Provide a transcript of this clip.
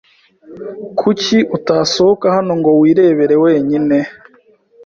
Kuki utasohoka hano ngo wirebere wenyine?